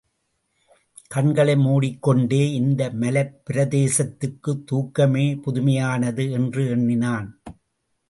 கண்களை மூடிக்கொண்டே, இந்த மலைப்பிரதேசத்துக்குத் தூக்கமே புதுமையானது என்று எண்ணினான்.